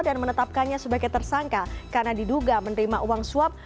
dan menetapkannya sebagai tersangka karena diduga menerima uang suap